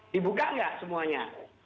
dibuka nggak semuanya